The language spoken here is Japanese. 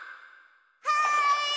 はい！